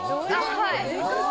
はい。